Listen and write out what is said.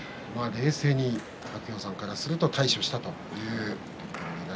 冷静に白鷹山からすると対処したという相撲です。